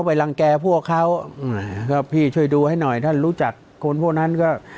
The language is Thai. รังแก่พวกเขาก็พี่ช่วยดูให้หน่อยถ้ารู้จักคนพวกนั้นก็